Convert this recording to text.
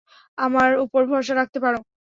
আমার ওপর ভরসা রাখতে পারো।